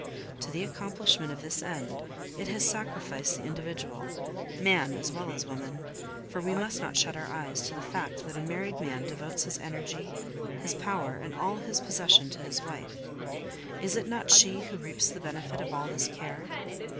To the accomplishment of this end, it has sacrificed the individual, man as well as woman; for we must not shut our eyes to the fact that a married man devotes his energy, his power, and all his possession to his wife. Is it not she who reaps the benefit of all his care?